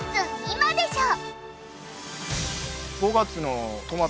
今でしょ』。